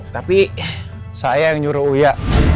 tapi saya yang nyuruh uya